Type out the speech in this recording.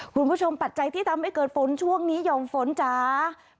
ปัจจัยที่ทำให้เกิดฝนช่วงนี้ห่อมฝนจ๋า